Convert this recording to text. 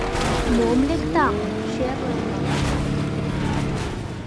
Мом лектам, черле улам.